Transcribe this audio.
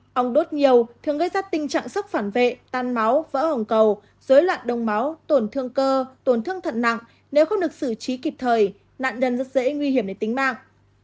ong đốt nhiều thường gây ra tình trạng sốc phản vệ tan máu vỡ hồng cầu dối loạn đông máu tổn thương cơ tổn thương thận nặng nếu không được xử trí kịp thời nạn nhân rất dễ nguy hiểm đến tính mạng